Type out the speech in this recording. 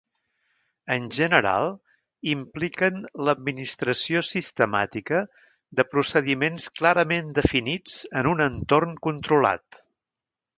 En general, impliquen l'administració sistemàtica de procediments clarament definits en un entorn controlat.